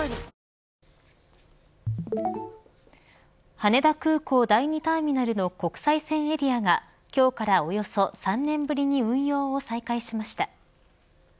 羽田空港第２ターミナルの国際線エリアが今日からおよそ３年ぶりに運用を再開しました。